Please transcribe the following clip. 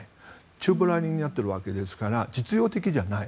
宙ぶらりんになっているわけですから実用的じゃない。